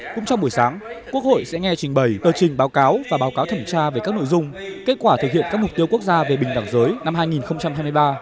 cũng trong buổi sáng quốc hội sẽ nghe trình bày tờ trình báo cáo và báo cáo thẩm tra về các nội dung kết quả thực hiện các mục tiêu quốc gia về bình đẳng giới năm hai nghìn hai mươi ba